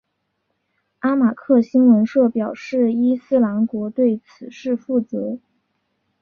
阿马克新闻社表示伊斯兰国对此事负责。